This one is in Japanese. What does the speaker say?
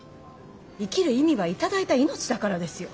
生きる意味は頂いた命だからですよ。